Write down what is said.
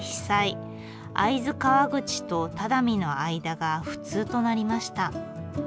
会津川口と只見の間が不通となりました。